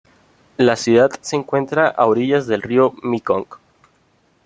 La ciudad se encuentra a orillas del río Mekong.